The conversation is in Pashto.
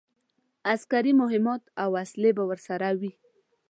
عسکري مهمات او وسلې به ورسره وي.